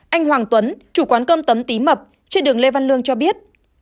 anh hoàng tuấn chủ quán cơm tấm tý mập trên đường lê văn lương cho biết